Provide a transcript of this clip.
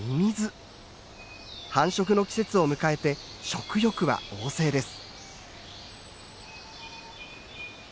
繁殖の季節を迎えて食欲は旺盛です。